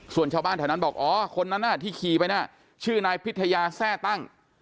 ส่วนชาวบ้านแถวนั้นบอกอ๋อคนนั้นที่ขี่ไปน่ะชื่อนายพิทยาแทร่ตั้ง